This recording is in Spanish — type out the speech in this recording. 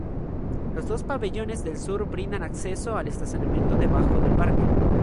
Los dos pabellones del sur brindan acceso al estacionamiento debajo del parque.